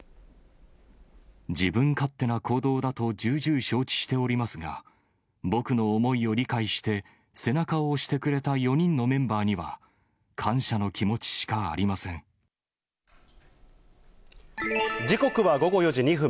自分勝手な行動だと重々承知しておりますが、僕の思いを理解して、背中を押してくれた４人のメンバーには、感謝の気持ちしかありま時刻は午後４時２分。